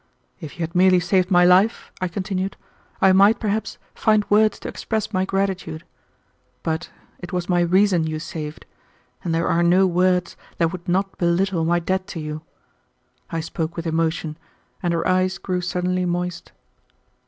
"If you had merely saved my life," I continued, "I might, perhaps, find words to express my gratitude, but it was my reason you saved, and there are no words that would not belittle my debt to you." I spoke with emotion, and her eyes grew suddenly moist.